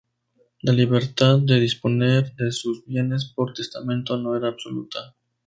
La libertad de disponer de sus bienes por testamento no era absoluta.